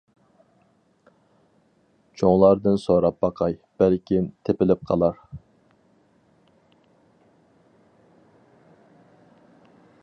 چوڭلاردىن سوراپ باقاي بەلكىم تېپىلىپ قالار!